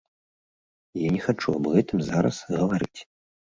Я не хачу аб гэтым зараз гаварыць.